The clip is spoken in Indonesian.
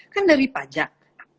kan dari pajak